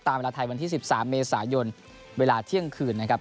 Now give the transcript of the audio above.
เวลาไทยวันที่๑๓เมษายนเวลาเที่ยงคืนนะครับ